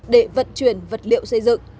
để vận chuyển vật liệu xây dựng